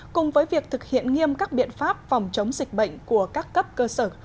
cùng với việc thực hiện nghiêm các biện pháp phòng chống dịch bệnh của các cấp cơ sở